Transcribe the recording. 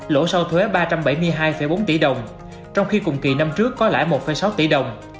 lỗ sau thuế ba trăm bảy mươi hai bốn tỷ đồng trong khi cùng kỳ năm trước có lãi một sáu tỷ đồng